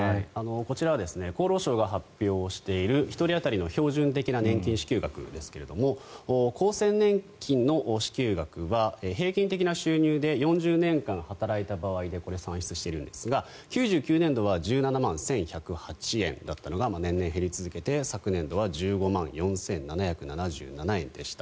こちらは厚労省が発表している１人当たりの標準的な年金支給額ですが厚生年金の支給額は平均的な収入で４０年間働いた場合でこれ、算出しているんですが９９年度は１７万１１０８円だったのが年々減り続けて、昨年度は１５万４７７７円でした。